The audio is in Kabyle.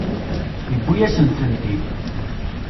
Yuwi-asen-tent-id.